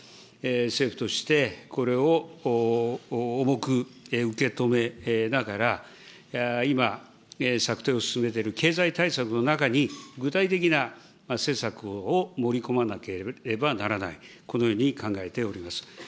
政府として、これを重く受け止めながら、今、策定を進めている経済対策の中に、具体的な施策を盛り込まなければならない、このように考えております。